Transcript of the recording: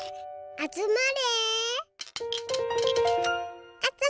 あつまれ。